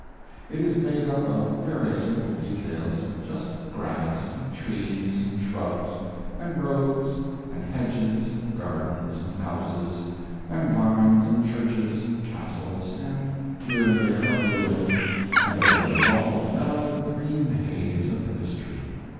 It is made up of very simple details just grass, and trees, and shrubs, and roads, and hedges, and gardens, and houses, and vines, and churches, and castles, and here and there a ruin and over it all a mellow dream haze of history.